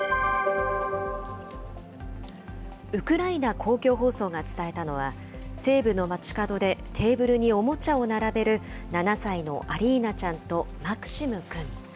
ウクライナ公共放送が伝えたのは、西部の街角でテーブルにおもちゃを並べる７歳のアリーナちゃんとマクシム君。